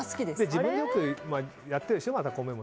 自分でやってるでしょ。